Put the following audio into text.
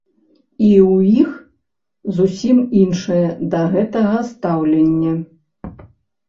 І ў іх зусім іншае да гэтага стаўленне.